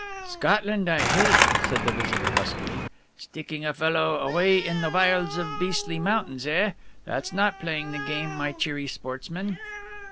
"Scotland I hate!" said the visitor huskily. "Sticking a fellow away in the wilds of the beastly mountains, eh? That's not playing the game, my cheery sportsman."